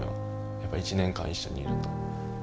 やっぱり１年間一緒にいると。